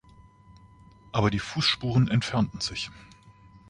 Aber die Fußspuren entfernten sich.